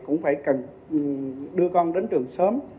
cũng phải cần đưa con đến trường sớm